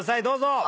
どうぞ！